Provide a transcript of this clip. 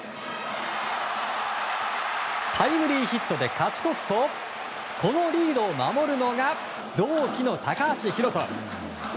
タイムリーヒットで勝ち越すとこのリードを守るのが同期の高橋宏斗。